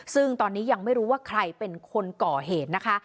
ซึ่งตอนนี้ยังไม่รู้ว่าใครเป็นคนก่อเหตุนะคะ